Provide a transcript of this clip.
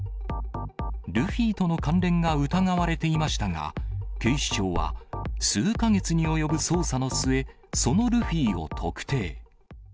ルフィとの関連が疑われていましたが、警視庁は数か月に及ぶ捜査の末、そのルフィを特定。